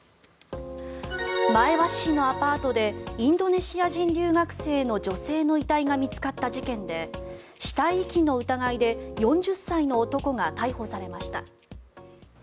前橋市のアパートでインドネシア人留学生の女性の遺体が見つかった事件で死体遺棄の疑いで４０歳の男が逮捕されました。